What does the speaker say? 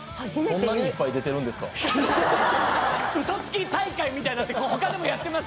嘘つき大会みたいのって他でもやってます？